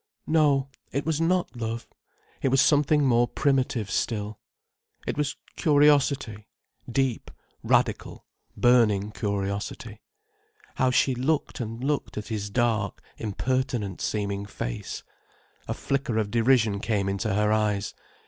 —no, it was not love! It was something more primitive still. It was curiosity, deep, radical, burning curiosity. How she looked and looked at his dark, impertinent seeming face. A flicker of derision came into her eyes.